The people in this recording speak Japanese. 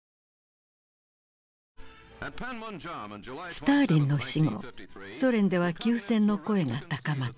スターリンの死後ソ連では休戦の声が高まった。